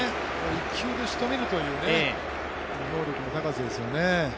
１球でしとめるという能力の高さですよね。